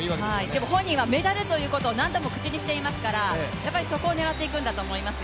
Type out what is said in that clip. でも本人はメダルということを何度も口にしていますからそこを狙っていくんだと思いますよ。